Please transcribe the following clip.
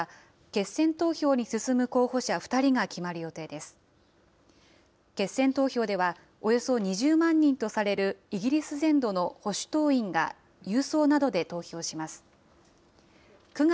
決選投票では、およそ２０万人とされるイギリス全土の保守党員が郵送などで投票します。